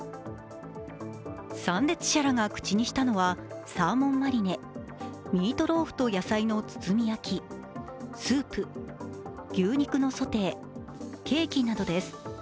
参列者らが口にしたのはサーモンマリネ、ミートローフと野菜の包み焼き、スープ、牛肉のソテー、ケーキなどです。